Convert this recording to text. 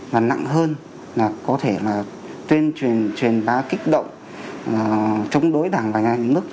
và nặng hơn là có thể là tuyên truyền truyền bá kích động chống đối đảng và nhà nước